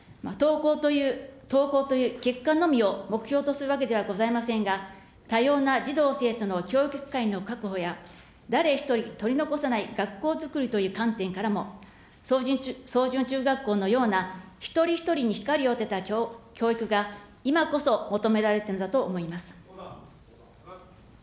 登校という結果のみを目標とするわけではございませんが、多様な児童・生徒の教育機会の確保や、誰一人取り残さない学校づくりという観点からも、草潤中学校のような、一人一人に光を当てた教育が、今こそ求められてるのだと思います。